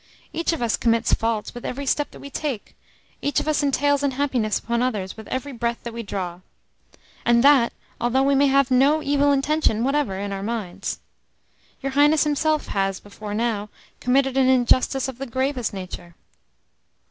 Each of us commits faults with every step that we take; each of us entails unhappiness upon others with every breath that we draw and that although we may have no evil intention whatever in our minds. Your Highness himself has, before now, committed an injustice of the gravest nature."